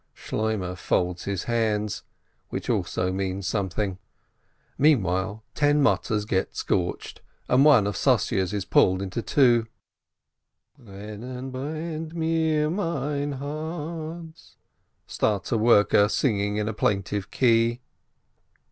Shloimeh folds his hands, which also means something. Meantime ten Matzes get scorched, and one of Sossye's is pulled in two. "Brennen brennt mir mein Harz," starts a worker singing in a plaintive key.